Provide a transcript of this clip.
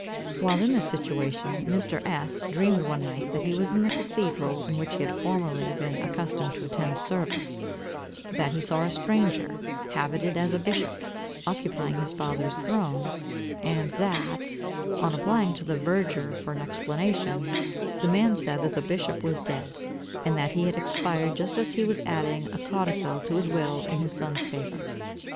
While in this situation, Mr. S—— dreamed one night that he was in the cathedral in which he had formerly been accustomed to attend service; that he saw a stranger, habited as a bishop, occupying his father's throne; and that, on applying to the verger for an explanation, the man said that the bishop was dead, and that he had expired just as he was adding a codicil to his will in his son's favor.